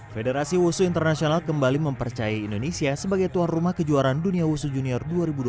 federasi wushu internasional kembali mempercayai indonesia sebagai tuan rumah kejuaraan dunia wusu junior dua ribu dua puluh